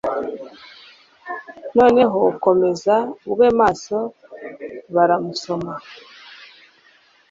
Noneho komeza ube maso baramusoma.